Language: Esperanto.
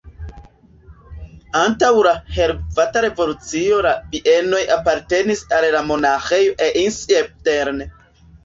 Antaŭ la Helveta Revolucio la du bienoj apartenis al la Monaĥejo Einsiedeln.